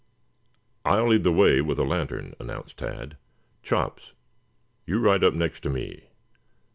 "I'll lead the way with a lantern," announced Tad. "Chops, you ride up next to me.